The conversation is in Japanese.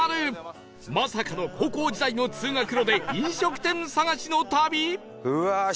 まさかの高校時代の通学路で飲食店探しの旅！？